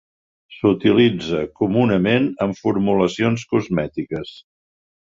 S'utilitza comunament en formulacions cosmètiques.